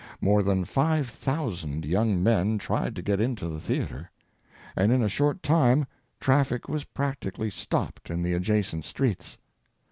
More than five thousand young men tried to get into the theatre, and in a short time traffic was practically stopped in the adjacent streets.